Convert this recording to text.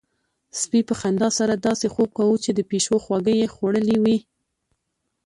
سپي په خندا سره داسې خوب کاوه چې د پيشو خواږه يې خوړلي وي.